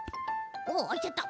おあいちゃった。